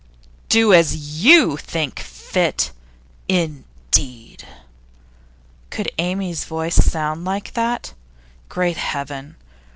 'Do as YOU think fit? Indeed!' Could Amy's voice sound like that? Great Heaven!